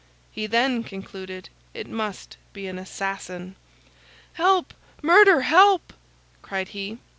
He then concluded it must be an assassin. "Help! murder! help!" cried he.